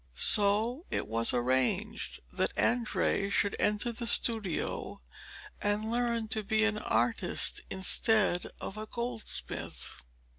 So it was arranged that Andrea should enter the studio and learn to be an artist instead of a goldsmith.